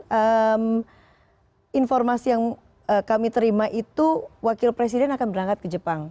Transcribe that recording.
karena informasi yang kami terima itu wakil presiden akan berangkat ke jepang